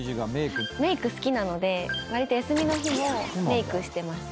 メイク好きなのでわりと休みの日もメイクしてます。